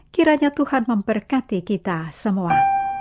kiranya tuhan memberkati kita semua